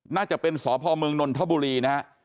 น่าจะเป็นสพเมืองนนทบุรีนะฮะ